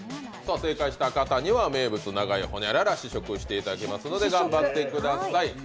正解した方には、名物長い○○試食していただきますので、頑張ってください。